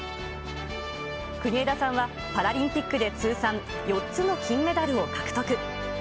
国枝さんは、パラリンピックで通算４つの金メダルを獲得。